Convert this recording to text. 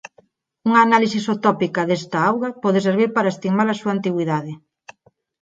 Unha análise isotópica desta auga pode servir para estimar a súa antigüidade.